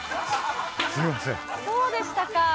そうでしたか！